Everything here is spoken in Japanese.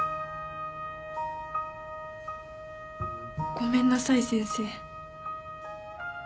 ごめんなさい先生。